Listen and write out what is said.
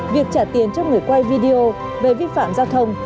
việc trả tiền cho người quay video về vi phạm giao thông